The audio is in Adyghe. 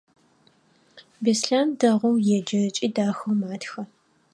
Беслъэн дэгъоу еджэ ыкӏи дахэу матхэ.